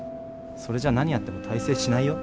それじゃ何やっても大成しないよ。